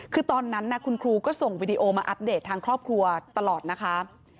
คือตอนนั้นคุณครูก็ส่งวิดีโอมาอัปเดตทางครอบครัวตลอดนะคะ